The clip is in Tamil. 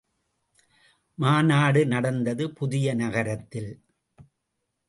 மாநாடு நடந்தது புதிய நகரத்தில்!